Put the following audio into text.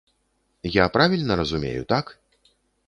Я правільна разумею, так?